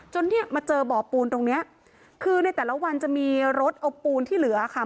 เนี่ยมาเจอบ่อปูนตรงเนี้ยคือในแต่ละวันจะมีรถเอาปูนที่เหลือค่ะ